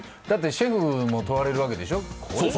だってシェフも問われるわけでしょう。